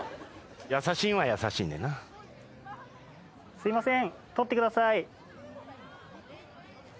・すいません。